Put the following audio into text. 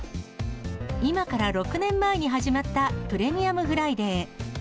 今から６年前に始まったプレミアムフライデー。